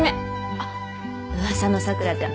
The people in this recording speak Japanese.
あっ噂の桜ちゃん。